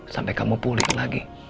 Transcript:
sampai kamu pulih lagi